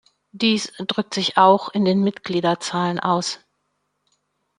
Dies drückt sich auch in den Mitgliederzahlen aus.